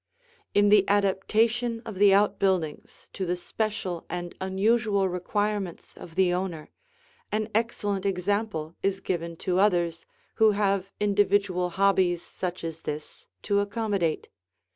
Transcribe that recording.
In the adaptation of the outbuildings to the special and unusual requirements of the owner, an excellent example is given to others who have individual hobbies such as this to accommodate.